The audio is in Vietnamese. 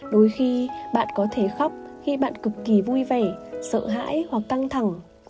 đôi khi bạn có thể khóc khi bạn cực kỳ vui vẻ sợ hãi hoặc căng thẳng